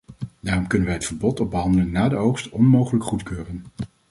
Daarom kunnen wij het verbod op behandeling na de oogst onmogelijk goedkeuren.